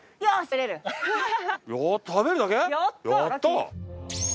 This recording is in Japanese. やった！